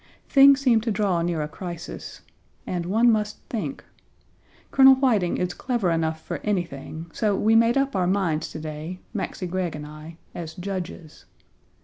Things seem to draw near a crisis. And one must think. Colonel Whiting is clever enough for anything, so we made up our minds to day, Maxcy Gregg and I, as judges.